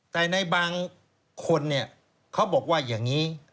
แต่ในบางคนเนี่ยเขาบอกว่าอย่างนี้